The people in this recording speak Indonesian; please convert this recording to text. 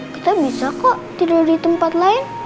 gapapa kok tidur ditempat lain